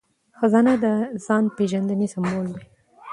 خزانه د ځان پیژندنې سمبول دی.